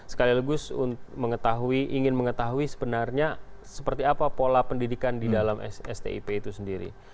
sekaligus ingin mengetahui sebenarnya seperti apa pola pendidikan di dalam stip itu sendiri